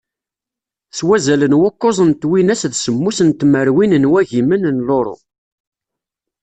S wazal n wukuẓ n twinas d semmus n tmerwin n wagimen n luru.